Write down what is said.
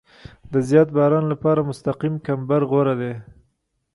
د زیات باران لپاره مستقیم کمبر غوره دی